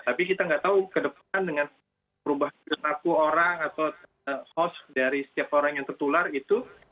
tapi kita nggak tahu ke depan dengan perubahan perilaku orang atau host dari setiap orang yang tertular itu